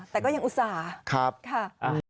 แต่ก็ยังอุตส่าห์นะครับค่ะอ่า